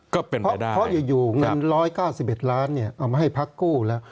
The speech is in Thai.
ก็เป็นไปได้นะครับเพราะอยู่เงิน๑๙๑ล้านเนี่ยเอามาให้พักกู้แล้ว